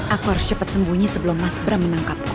aku harus cepet sembunyi sebelum mas beram menangkapku